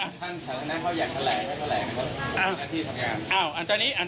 สื่อศูนย์ของคุณตรงนี้ก็อยากจะแหล่กับทางนาธิปราศน์